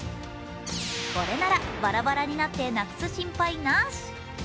これならバラバラになってなくす心配なし。